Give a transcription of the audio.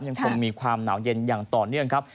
ยังคงมีความหนาวเย็นอย่างต่อเนื่องครับ